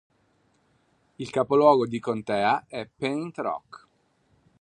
Il capoluogo di contea è Paint Rock.